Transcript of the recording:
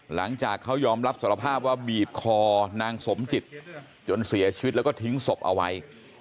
หลังจากเขายอมรับสารภาพว่าบีบคอนางสมจิตจนเสียชีวิตแล้วก็ทิ้งศพเอาไว้